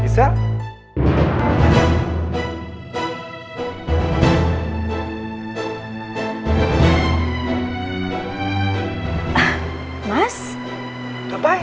saya mau pergi